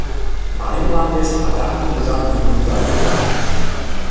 Марий мландеш адак кугыжан вий вузале...